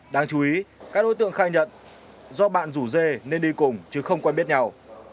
đáng chú ý các đối tượng khai nhận do bạn rủ dê nên đi cùng chứ không quen biết nhau